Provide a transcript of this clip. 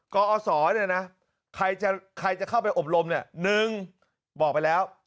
กรอสอเนี่ยนะใครจะใครจะเข้าไปอบรมเนี่ยหนึ่งบอกไปแล้ว